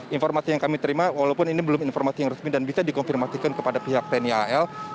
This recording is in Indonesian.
informasi yang kami terima walaupun ini belum informasi yang resmi dan bisa dikonfirmasikan kepada pihak tni al